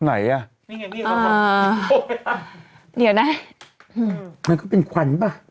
ไหนอ่ะอ่าเดี๋ยวนะอืมมันก็เป็นควันป่ะ